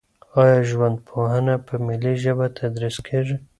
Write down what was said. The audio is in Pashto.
آیا ژوندپوهنه په ملي ژبه تدریس کیږي؟